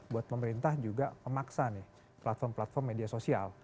buat pemerintah juga memaksa nih platform platform media sosial